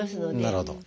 なるほど。